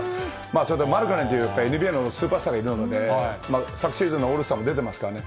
それでマルカネンというＮＢＡのスーパースターがいるので、昨シーズンのオールスターも出てますからね。